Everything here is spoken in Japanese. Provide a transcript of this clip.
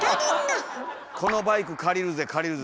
「このバイク借りるぜ」「借りるぜ」